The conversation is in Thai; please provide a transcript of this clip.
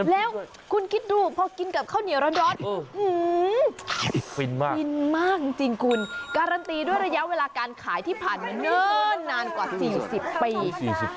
แล้วคุณคิดดูพอกินกับข้าวเหนียวร้อนฟินมากฟินมากจริงคุณการันตีด้วยระยะเวลาการขายที่ผ่านมาเนิ่นนานกว่า๔๐ปี